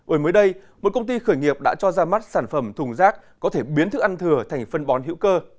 ở mới đây một công ty khởi nghiệp đã cho ra mắt sản phẩm thùng rác có thể biến thức ăn thừa thành phân bón hữu cơ